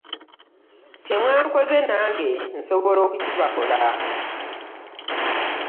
Kye mwankoze nange nsobola okukibakola.